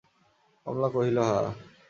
কমলা কহিল, হাঁ।